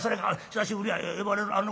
久しぶりや呼ばれる。